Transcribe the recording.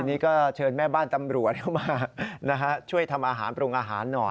อันนี้ก็เชิญแม่บ้านตำรวจเข้ามาช่วยทำอาหารปรุงอาหารหน่อย